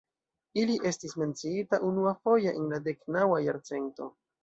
Ili estis menciitaj unuafoje en la deknaŭa jarcento.